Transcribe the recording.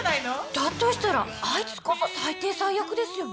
だとしたらあいつこそ最低最悪ですよね。